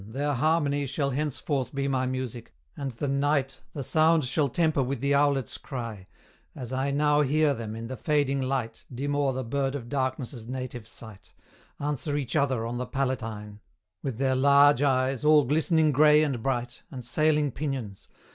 their harmony Shall henceforth be my music, and the night The sound shall temper with the owlet's cry, As I now hear them, in the fading light Dim o'er the bird of darkness' native site, Answer each other on the Palatine, With their large eyes, all glistening grey and bright, And sailing pinions.